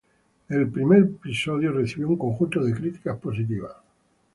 El primer episodio recibió un conjunto de críticas positivas.